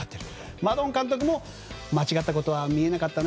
マドン監督も間違ったことは見えなかったな。